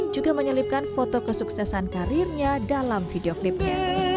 juga menyelipkan foto kesuksesan karirnya dalam videoclipnya